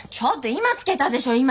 今付けたでしょ今！